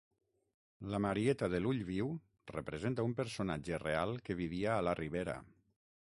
La Marieta de l'Ull Viu representa un personatge real que vivia a la Ribera.